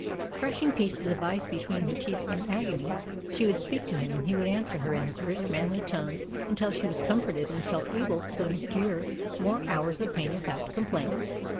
Crushing pieces of ice between her teeth in agony, she would speak to him and he would answer her in his rich, manly tones until she was comforted and felt able to endure more hours of pain without complaint.